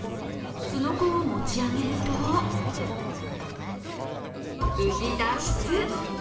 すのこを持ち上げると、無事脱出。